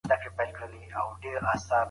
فکر مو پاکيږي.